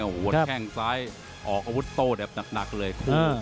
หัวแข้งซ้ายออกอาวุธโต้แบบหนักเลยคู่